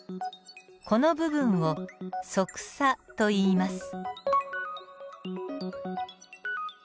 この部分を側鎖といいます。